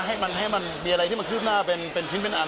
ให้มันให้มันมีอะไรที่มันคืบหน้าเป็นชิ้นเป็นอัน